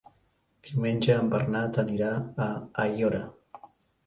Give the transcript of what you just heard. Diumenge en Bernat anirà a Aiora.